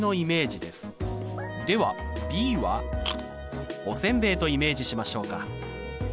ではｂはおせんべいとイメージしましょうか。